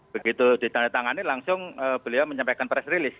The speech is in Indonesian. begitu ditandatangani langsung beliau menyampaikan press release